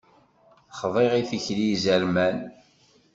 Xḍiɣ i tikli izerman.